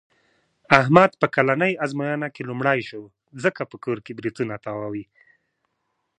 احمد په کلنۍ ازموینه کې لومړی شو. ځکه په کور کې برېتونه تاووي.